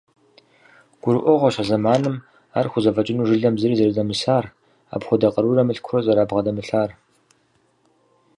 Гурыӏуэгъуэщ а зэманым ар хузэфӏэкӏыну жылэм зыри зэрыдэмысар, апхуэдэ къарурэ мылъкурэ зэрабгъэдэмылъар.